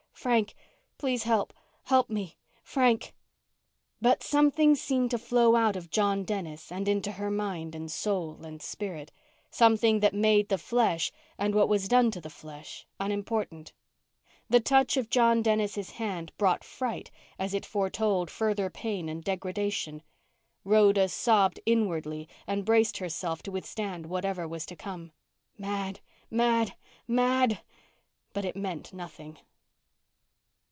Frank, please help, help me. Frank _ But something seemed to flow out of John Dennis and into her mind and soul and spirit; something that made the flesh and what was done to the flesh unimportant. The touch of John Dennis' hand brought fright as it foretold further pain and degradation. Rhoda sobbed inwardly and braced herself to withstand whatever was to come. Mad! mad! mad! But it meant nothing.